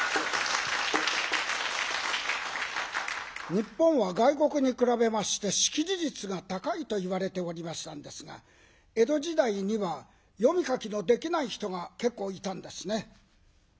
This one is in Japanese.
日本は外国に比べまして識字率が高いといわれておりましたんですが江戸時代には読み書きのできない人が結構いたんですね。